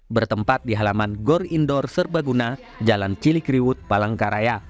bertempat di halaman gor indoor serbaguna jalan cilikriwut palangkaraya